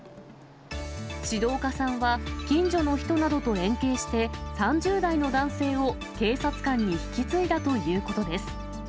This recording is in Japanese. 志戸岡さんは近所の人などと連携して、３０代の男性を警察官に引き継いだということです。